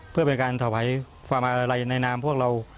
เพื่อเป็นการถวายความอาลัยในนามพวกเรา